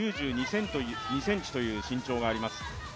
１ｍ９２ｃｍという身長があります。